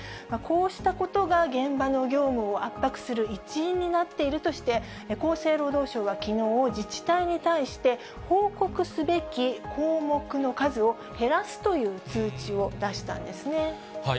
こうしたことが現場の業務を圧迫する一因になっているとして、厚生労働省はきのう、自治体に対して、報告すべき項目の数を減らすという通知を出したんですね。